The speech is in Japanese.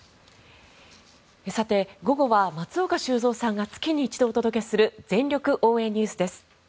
さて、午後は松岡修造さんが月に一度お届けする全力応援ＮＥＷＳです。